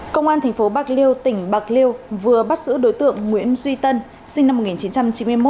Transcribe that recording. công an tp bạc liêu tỉnh bạc liêu vừa bắt giữ đối tượng nguyễn duy tân sinh năm một nghìn chín trăm chín mươi một